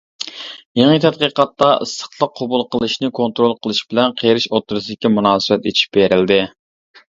يېڭى تەتقىقاتتا ئىسسىقلىق قوبۇل قىلىشنى كونترول قىلىش بىلەن قېرىش ئوتتۇرىسىدىكى مۇناسىۋەت ئېچىپ بېرىلدى.